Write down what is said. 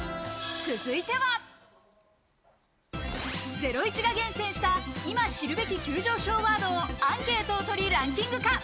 『ゼロイチ』が厳選した今知るべき急上昇ワードをアンケートをとりランキング化。